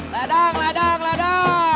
ledang ledang ledang